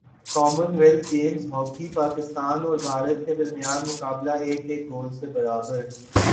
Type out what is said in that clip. common wealth games hockey Pakistan اور بھارت کے درمیان مقابلہ ایک ایک گول سے برابر